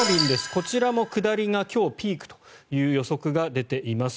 こちらも下りが今日、ピークという予測が出ています。